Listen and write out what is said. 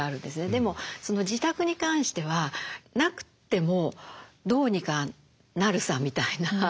でも自宅に関してはなくてもどうにかなるさみたいな。